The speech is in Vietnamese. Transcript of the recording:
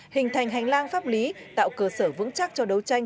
hình thành hành lang pháp lý tạo cơ sở vững chắc cho đấu tranh